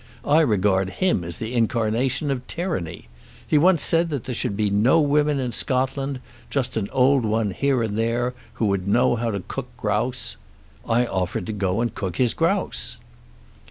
I regard him as the incarnation of tyranny. He once said there should be no women in Scotland, just an old one here and there, who would know how to cook grouse. I offered to go and cook his grouse!